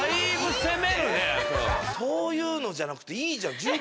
そういうのじゃなくていいじゃん。